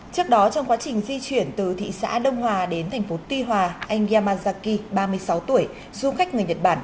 trước đó trong quá trình di chuyển từ thị xã đông hòa đến thành phố tuy hòa anh yamazaki ba mươi sáu tuổi du khách người nhật bản